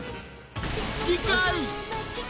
［次回］